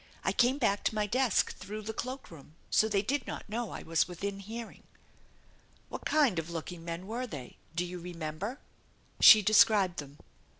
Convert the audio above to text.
I came back to my desk through the cloak room, so they did not know I was within hearing." "What kind of looking men were they? Do you remember ?" She described them.